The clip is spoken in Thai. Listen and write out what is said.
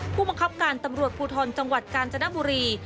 ผู้บังคับการตำรวจภูทรจังหวัดกาญจนบุรี